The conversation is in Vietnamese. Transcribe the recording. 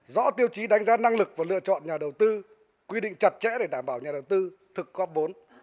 rõ tiêu chí đánh giá năng lực và lựa chọn nhà đầu tư quy định chặt chẽ để đảm bảo nhà đầu tư thực góp vốn